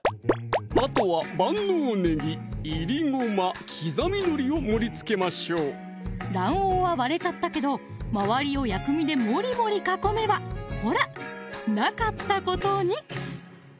あとは万能ねぎ・いりごま・刻みのりを盛りつけましょう卵黄は割れちゃったけど周りを薬味でもモリモリ囲めばほらなかったことに！